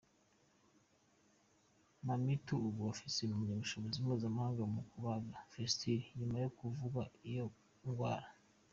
Mamitu Ubu afise impamyabushobozi mpuzamakungu mu kubaga 'fistule' inyuma yo kuvugwa iyo ngwara.